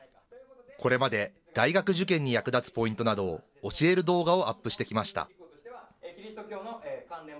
これまで大学受験に役立つポイントなどを教える動画をアップしてきました。